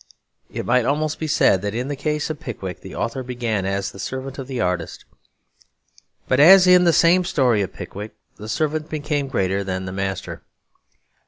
It might almost be said that in the case of Pickwick the author began as the servant of the artist. But, as in the same story of Pickwick, the servant became greater than the master.